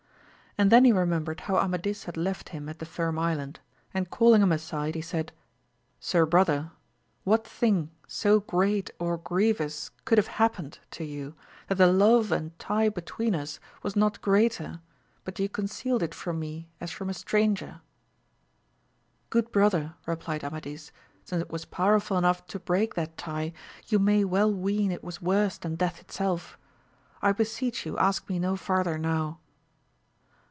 And then he remembered how Amadis had left him at the Firm Island, and calling him aside he said, Sir Brother, what thing so great or grievous could have happened to' you that the love and tie between us was not greater; but you concealed it from me as from a stranger ] Good brother, replied Amadis, since it was powerful enough to break that tie, you may well ween it was worse than death itself. I beseech you ask me no farther now.